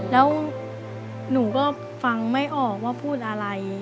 แล้วหนูก็ฟังไม่ออกว่าพูดอะไร